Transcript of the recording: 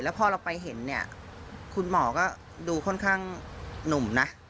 พอเราไปเห็นเนี่ยคุณหมอก็ดูค่อนข้างหนุ่มนะ